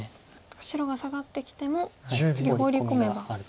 白がサガってきても次ホウリ込めば。